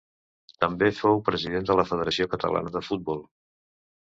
També fou president de la Federació Catalana de Futbol.